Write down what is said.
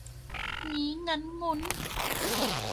งี้งั้นงุ้น